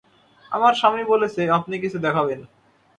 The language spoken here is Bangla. আমার স্বামী বলেছে আপনি কিছু দেখাবেন।